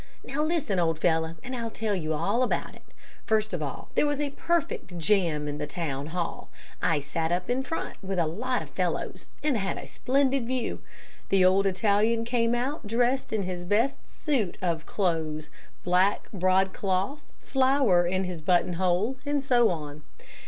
"Now listen, old fellow, and I'll tell you all about it. First of all, there was a perfect jam in the town hall. I sat up in front, with a lot of fellows, and had a splendid view. The old Italian came out dressed in his best suit of clothes black broadcloth, flower in his buttonhole, and so on.